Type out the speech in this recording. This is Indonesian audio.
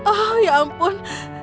oh ya ampun